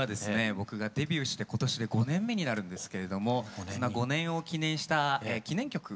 僕がデビューして今年で５年目になるんですけれどもそんな５年を記念した記念曲となっておりましてですね